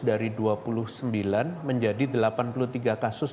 dari dua puluh sembilan menjadi delapan puluh tiga kasus